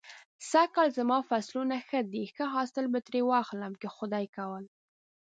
سږ کال زما فصلونه ښه دی. ښه حاصل به ترې واخلم که خدای کول.